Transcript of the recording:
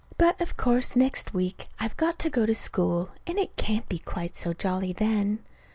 But of course next week I've got to go to school, and it can't be quite so jolly then.